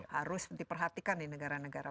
harus diperhatikan di negara negara